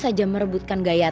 siar profesi okinsnya paula